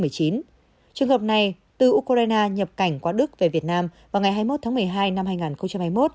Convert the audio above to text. trường hợp này từ ukraine nhập cảnh qua đức về việt nam vào ngày hai mươi một tháng một mươi hai năm hai nghìn hai mươi một